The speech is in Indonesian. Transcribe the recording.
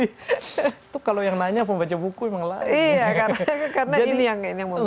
itu kalau yang nanya pembaca buku memang lain